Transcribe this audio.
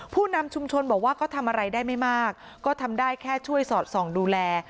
ผู้นำชุมชนบอกว่าก็ทำอะไรได้ไม่มากก็ทำได้แค่ช่วยสอดส่องดูแล